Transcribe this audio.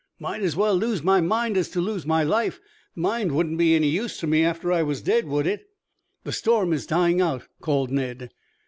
"Might as well lose my mind as to lose my life. Mind wouldn't be any use to me after I was dead, would it?" "The storm is dying out," called Ned.